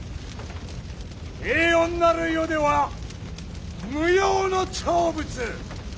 平穏なる世では無用の長物！